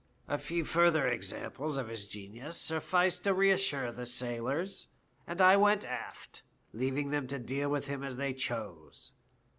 A few further examples of his genius sufficed to reassure the sailors, and I went aft, leaving them to deal with him as they chose.